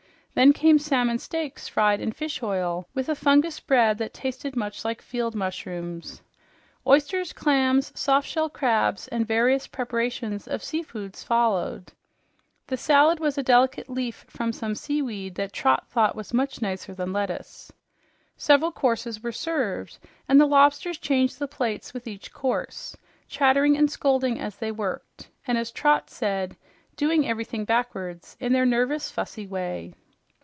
Then came salmon steaks fried in fish oil, with a fungus bread that tasted much like field mushrooms. Oysters, clams, soft shell crabs and various preparations of seafoods followed. The salad was a delicate leaf from some seaweed that Trot thought was much nicer than lettuce. Several courses were served, and the lobsters changed the plates with each course, chattering and scolding as they worked, and as Trot said, "doing everything backwards" in their nervous, fussy way.